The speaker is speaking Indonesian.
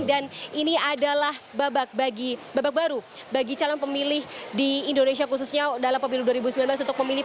dan ini adalah babak baru bagi calon pemilih di indonesia khususnya dalam pemilu dua ribu sembilan belas